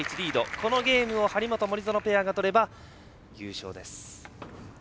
このゲームを張本、森薗ペアを取れば優勝です。